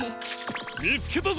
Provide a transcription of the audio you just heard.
みつけたぞ！